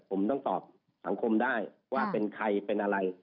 ผมต้องตอบสังคมได้ว่าเป็นใครเป็นอะไร